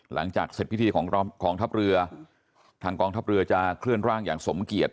หลังจากเสร็จพิธีของกองทัพเรือทางกองทัพเรือจะเคลื่อนร่างอย่างสมเกียจ